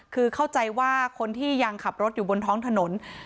คือเข้าใจว่าคนที่ยังขับรถอยู่บนท้องถนน